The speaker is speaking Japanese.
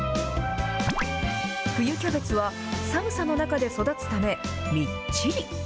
冬キャベツは寒さの中で育つため、みっちり。